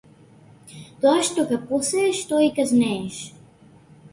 Тоа што ќе посееш тоа и ќе жнееш.